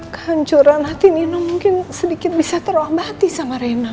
kancuran hati nino mungkin sedikit bisa terobati sama rena